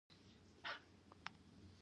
دوی د اوبو لګولو بندونه جوړول